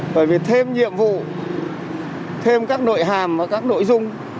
bởi vì thêm nhiệm vụ thêm các nội hàm và các nội dung